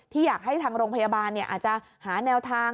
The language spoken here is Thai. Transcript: อยากให้ทางโรงพยาบาลอาจจะหาแนวทาง